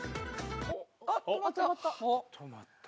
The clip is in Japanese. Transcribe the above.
あっ止まった！